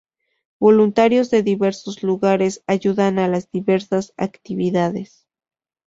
Voluntarios de diversos lugares ayudan a las diversas actividades.